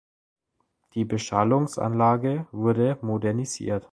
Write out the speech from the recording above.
Die Beschallungsanlage wurde modernisiert.